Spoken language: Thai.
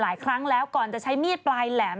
หลายครั้งแล้วก่อนจะใช้มีดปลายแหลม